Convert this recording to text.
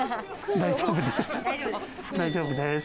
大丈夫です。